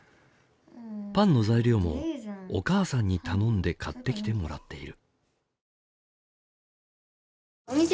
パンの材料もお母さんに頼んで買ってきてもらっている。